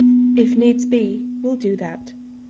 If needs be, we'll do that.